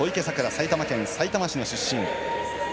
埼玉県さいたま市の出身。